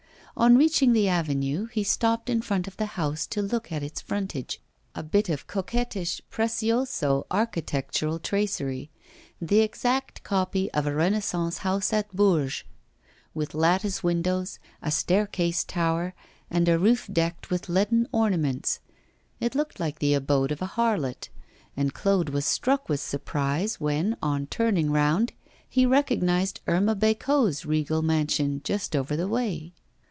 On reaching the avenue, he stopped in front of the house to look at its frontage, a bit of coquettish, precioso architectural tracery the exact copy of a Renaissance house at Bourges, with lattice windows, a staircase tower, and a roof decked with leaden ornaments. It looked like the abode of a harlot; and Claude was struck with surprise when, on turning round, he recognised Irma Bécot's regal mansion just over the way.